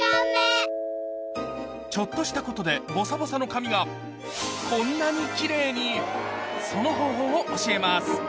ちょっとしたことでボサボサの髪がこんなにキレイにその方法を教えます